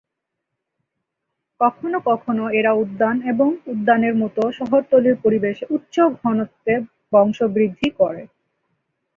কখনও কখনও এরা উদ্যান এবং উদ্যানের মতো শহরতলির পরিবেশে উচ্চ ঘনত্বে বংশবৃদ্ধি করে।